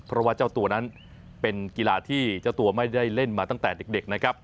เพราะว่าเจ้าตัวนั้นเป็นกีฬาที่เจ้าตัวไม่ได้เล่นมาตั้งแต่เด็กนะครับ